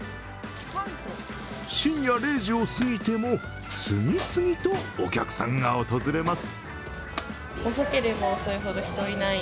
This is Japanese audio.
深夜０時をすぎても次々とお客さんが訪れます。